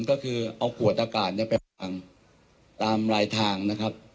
ก็คือเอาขวดอากาศไปวางตามลายทางนะครับ